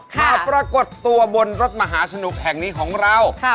ปรากฏตัวบนรถมหาสนุกแห่งนี้ของเรา